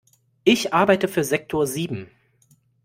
Ich arbeite für Sektor sieben.